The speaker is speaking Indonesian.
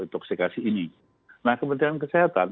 toksikasi ini nah kementerian kesehatan